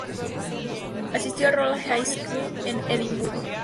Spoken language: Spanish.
Asistió a Royal High School en Edimburgo.